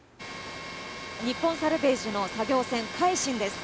日本サルベージの作業船「海進」です。